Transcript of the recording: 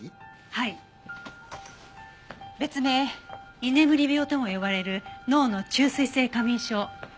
別名居眠り病とも呼ばれる脳の中枢性過眠症。